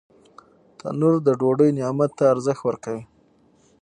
تنور د ډوډۍ نعمت ته ارزښت ورکوي